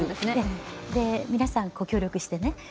皆さん、協力してね。